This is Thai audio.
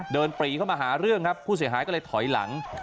ปรีเข้ามาหาเรื่องครับผู้เสียหายก็เลยถอยหลัง